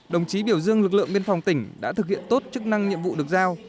đồng chí biểu dương lực lượng biên phòng tỉnh đã thực hiện tốt chức năng nhiệm vụ được giao